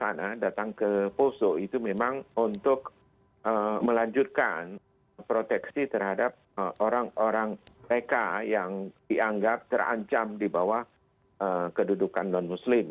dan kelihatannya dia datang ke poso itu memang untuk melanjutkan proteksi terhadap orang orang mereka yang dianggap terancam di bawah kedudukan non muslim